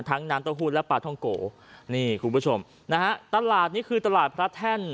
น้ำเต้าหู้และปลาท่องโกนี่คุณผู้ชมนะฮะตลาดนี้คือตลาดพระแท่น